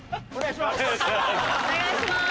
お願いします。